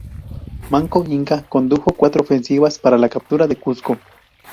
Manco Inca condujo cuatro ofensivas para la captura del Cuzco.